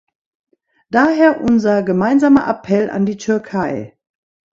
Daher unser gemeinsamer Appell an die Türkei.